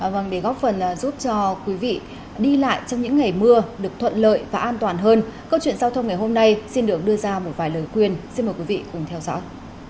vâng để góp phần giúp cho quý vị đi lại trong những ngày mưa được thuận lợi và an toàn hơn câu chuyện giao thông ngày hôm nay xin được đưa ra một vài lời khuyên xin mời quý vị cùng theo dõi